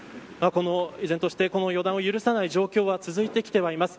依然として予断を許さない状況は続いてきてはいます。